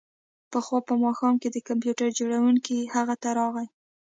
پخوا په ماښام کې د کمپیوټر جوړونکی هغه ته راغی